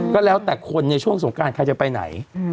ก็แล้วแต่คนในช่วงสงการใครจะไปไหน